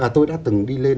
tôi đã từng đi lên